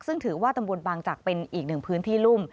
ซึ่งถือว่าตำบลบางจักรเป็นอีกหนึ่งพื้นที่รุ่ม